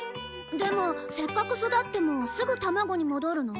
でもせっかく育ってもすぐ卵に戻るの？